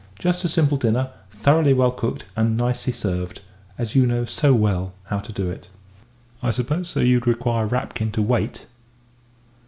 "Just a simple dinner, thoroughly well cooked, and nicely served as you know so well how to do it." "I suppose, sir, you would require Rapkin to wait?"